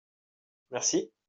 merci.